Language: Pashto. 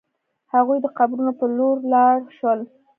هغوی د قبرونو په لور لاړ شول.